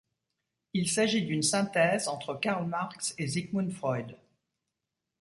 Il s'agit d'une synthèse entre Karl Marx et Sigmund Freud.